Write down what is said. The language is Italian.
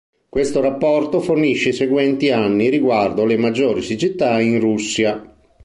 Questo rapporto fornisce i seguenti anni riguardo le maggiori siccità in Russia.